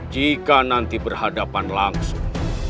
jika nanti berhadapan langsung